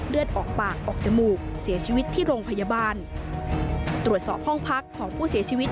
เลือดออกปากออกจมูกเสียชีวิตที่โรงพยาบาลตรวจสอบห้องพักของผู้เสียชีวิต